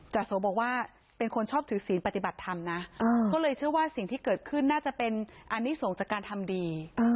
จาโสบอกว่าเป็นคนชอบถือศีลปฏิบัติธรรมนะก็เลยเชื่อว่าสิ่งที่เกิดขึ้นน่าจะเป็นอันนี้ส่งจากการทำดี